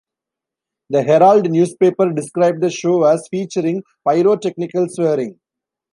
The Herald newspaper described the show as featuring Pyrotechnical swearing.